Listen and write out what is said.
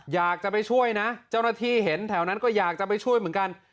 อยากจะไปช่วยนะเจ้าหน้าที่เห็นแถวนั้นก็อยากจะไปช่วยเหมือนกัน